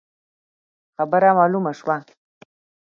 خبره مالومه شوه.